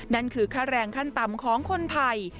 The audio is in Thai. นั่นคือค่าแรงขั้นต่ำของคนไทย